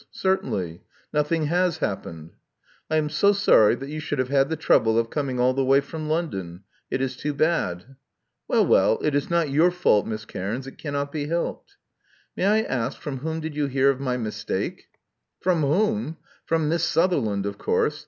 Certainly. Nothing has happened." "I am so sorry that you should have had the trouble of coming all the way from London. It is too bad." Well, well, it is not your fault. Miss Cairns. It cannot be helped." May I ask, from whom did you hear of my mistake?' ' From whom! From Miss Sutherland, of course.